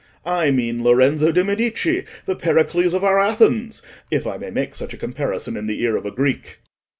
I mean Lorenzo de' Medici, the Pericles of our Athens—if I may make such a comparison in the ear of a Greek."